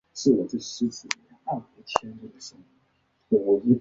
现在春日野站的位置在多摩线计画时便是设站地点之一。